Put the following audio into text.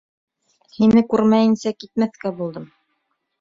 — Һине күрмәйенсә китмәҫкә булдым.